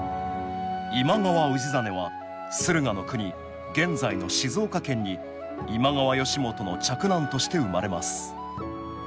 今川氏真は駿河国現在の静岡県に今川義元の嫡男として生まれます